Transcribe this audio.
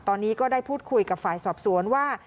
ตอนนี้ก็ได้พูดคุยกับฝ่ายสอบสวนว่า